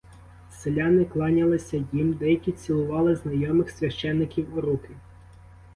Селяни кланялися їм, деякі цілували знайомих священиків у руки.